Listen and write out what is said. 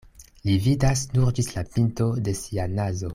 Li vidas nur ĝis la pinto de sia nazo.